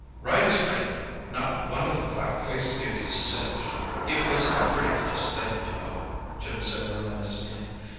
"Right as rain; not one of the black faced beauties singed. It was a pretty close thing, you know," Jim said reminiscently.